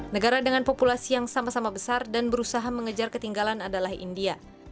negara dengan populasi yang sama sama besar dan berusaha mengejar ketinggalan adalah india